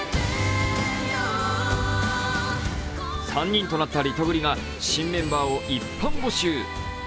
３人となったリトグリが新メンバーを一般募集。